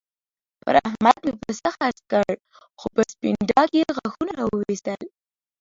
پر احمد مې پسه خرڅ کړ؛ خو پر سپين ډاګ يې غاښونه را واېستل.